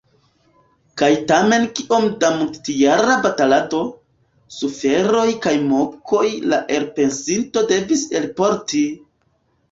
Kaj tamen kiom da multjara batalado, suferoj kaj mokoj la elpensinto devis elporti!